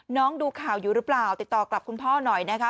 ดูข่าวอยู่หรือเปล่าติดต่อกลับคุณพ่อหน่อยนะคะ